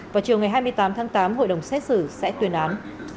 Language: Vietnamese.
vào chiều ngày hai mươi tám tháng tám hội đồng xét xử sẽ tuyên án